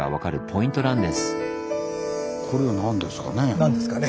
これは何ですかね。